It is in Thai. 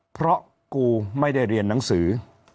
เพราะกูไม่ได้เรียนหนังสือ